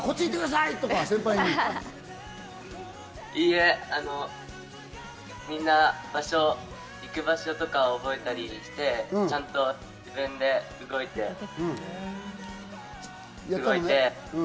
いいえみんな行く場所とか覚えたりしてちゃんと自分で動いて撮りました。